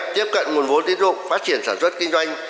tiếp cận nguồn vốn tiến dụng phát triển sản xuất kinh doanh